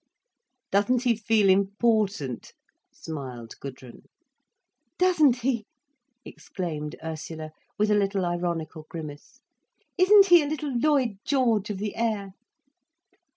"Doesn't he feel important?" smiled Gudrun. "Doesn't he!" exclaimed Ursula, with a little ironical grimace. "Isn't he a little Lloyd George of the air!"